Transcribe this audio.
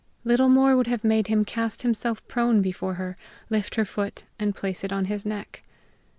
Little more would have made him cast himself prone before her, lift her foot, and place it on his neck.